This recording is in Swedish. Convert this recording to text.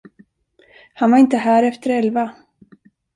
Han var inte här efter elva.